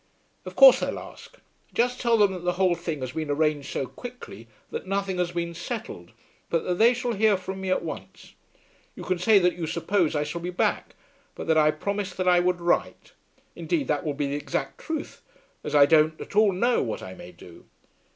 "Of course they'll ask. Just tell them that the whole thing has been arranged so quickly that nothing has been settled, but that they shall hear from me at once. You can say that you suppose I shall be back, but that I promised that I would write. Indeed that will be the exact truth, as I don't at all know what I may do.